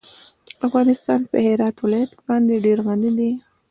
افغانستان په هرات ولایت باندې ډېر غني دی.